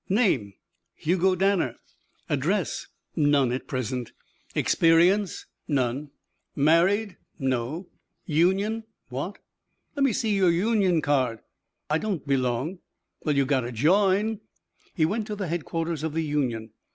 "Name?" "Hugo Danner." "Address?" "None at present." "Experience?" "None." "Married?" "No." "Union?" "What?" "Lemme see your union card." "I don't belong." "Well, you gotta join." He went to the headquarters of the union.